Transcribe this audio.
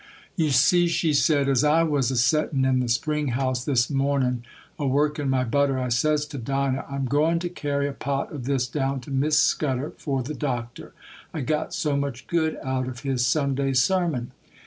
'You see,' she said, 'as I was a settin' in the spring house, this mornin', a workin' my butter, I says to Dinah,—"I'm goin' to carry a pot of this down to Miss Scudder for the Doctor,—I got so much good out of his Sunday's sermon."